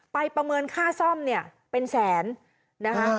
ประเมินค่าซ่อมเนี่ยเป็นแสนนะคะ